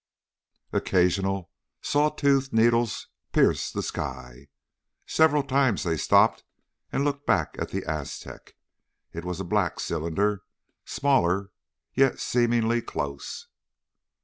Occasional saw toothed needles pierced the sky. Several times they stopped and looked back at the Aztec. It was a black cylinder, smaller yet seemingly close.